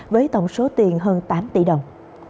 với tổng số tiền hơn tám tỷ đồng